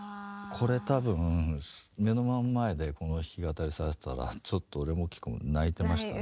これ多分目の真ん前でこの弾き語りされてたらちょっと俺も希子も泣いてましたね。